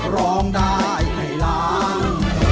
ร้องได้ให้ล้าน